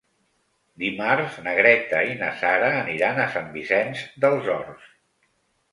Dimarts na Greta i na Sara aniran a Sant Vicenç dels Horts.